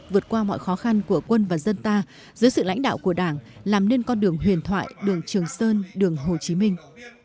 vượt qua mọi khó khăn của quân và dân ta dưới sự lãnh đạo của đảng làm nên con đường huyền thoại đường trường sơn đường hồ chí minh